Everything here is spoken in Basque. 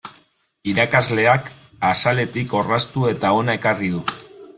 Irakasleak axaletik orraztu eta hona ekarri du.